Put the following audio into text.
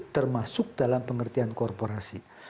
termasuk dalam pengertian korporasi